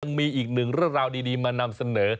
ยังมีอีกหนึ่งเรื่องราวดีมานำเสนอ